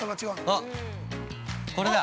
◆あっ、これだ。